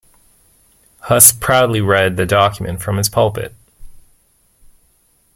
Hus proudly read the document from his pulpit.